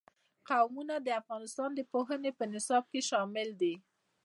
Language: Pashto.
قومونه د افغانستان د پوهنې نصاب کې شامل دي.